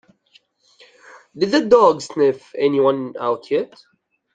Did the dog sniff anyone out yet?